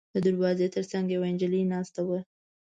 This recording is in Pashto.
د دروازې تر څنګ یوه نجلۍ ناسته وه.